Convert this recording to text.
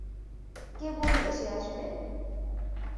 কে বললে সে আসবে?